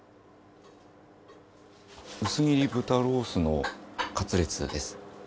薄切り豚ロースのカツレツです。